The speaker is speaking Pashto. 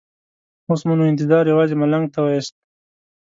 اوس مو نو انتظار یوازې ملنګ ته وېست.